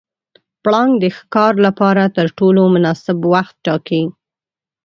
پړانګ د ښکار لپاره تر ټولو مناسب وخت ټاکي.